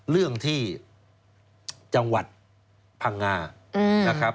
เรื่องที่จังหวัดพังงา